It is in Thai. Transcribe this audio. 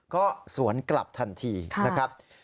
ก็สวนกลับทันทีนะครับ